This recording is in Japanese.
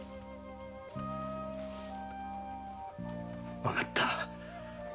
わかった。